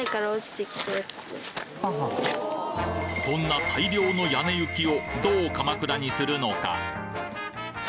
そんな大量の屋根雪をどうかまくらにするのか？